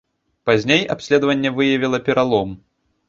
Пазней абследаванне выявіла пералом.